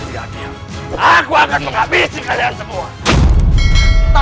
diam diam aku akan menghabisi kalian semua